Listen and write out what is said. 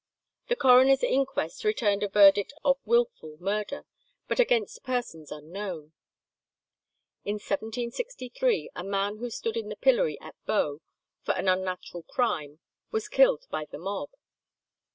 The coroner's inquest returned a verdict of wilful murder, but against persons unknown. In 1763 a man who stood in the pillory at Bow, for an unnatural crime, was killed by the mob.